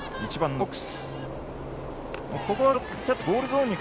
１番のコックス。